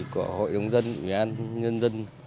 của hội đồng dân ủy an nhân dân